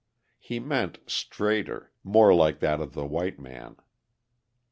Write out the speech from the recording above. He meant straighter, more like that of the white man.